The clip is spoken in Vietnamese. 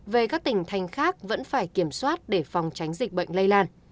về các tỉnh thành khác vẫn phải kiểm soát để phòng tránh dịch bệnh lây lan